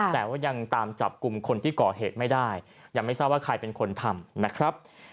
แต่ว่ายังตามจับกลุ่มคนที่ก่อเหตุไม่ได้ยังไม่ทราบว่าใครเป็นคนทำนะครับ